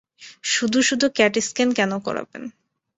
শুধু-শুধু CAT scan কেন করাবেন?